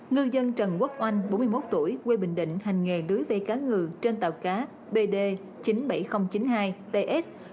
ngư dân trần quốc oanh bốn mươi một tuổi quê bình định hành nghề lưới vây cá ngừ trên tàu cá bd chín mươi bảy nghìn chín mươi hai ts